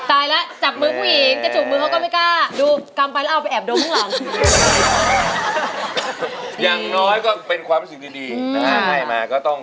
อะไรนะพูดอะไรเบานะครับสุขดีจ้ะ